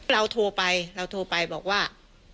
เราโทรไปเราโทรไปบอกว่า